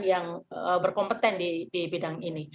yang berkompeten di bidang ini